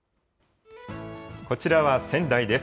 こちらは仙台です。